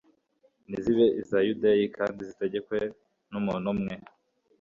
nizibe iza yudeya kandi zitegekwe n'umuntu umwe